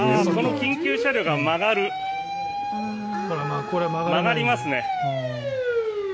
緊急車両が曲がりますね。